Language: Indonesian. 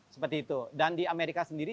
seperti itu dan di amerika sendiri